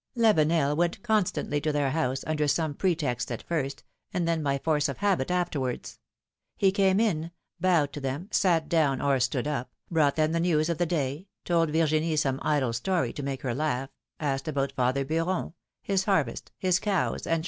Lavenel went constantly to their house, under some pretext at first, and then by force of habit afterwards. He came in, bowed to them, sat down, or stood up, brought them the news of the day, told Virginie some idle story to make her laugh, asked about father Beuron, his harvest, his cows and 232 philom^:ne's maeriages.